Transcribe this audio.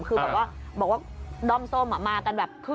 คือแบบว่าด้อมส้มมากันแบบครึ่งแสงเหมือน